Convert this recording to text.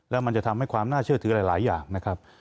แล้วมันจะทำให้ความน่าเชื่อถือหลายอย่างนะครับ